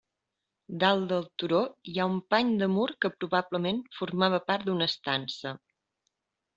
Dalt del turó hi ha un pany de mur que probablement formava part d'una estança.